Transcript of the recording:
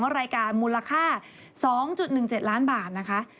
รายการมูลค่า๒๑๗ล้านบาทนะคะ